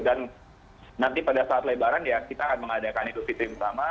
dan nanti pada saat lebaran ya kita akan mengadakan itu video yang sama